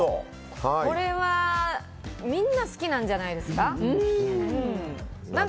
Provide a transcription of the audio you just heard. これはみんな好きなんじゃないですか？